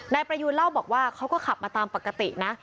นายประยูนเล่าบอกว่าเขาก็ขับมาตามปกตินะ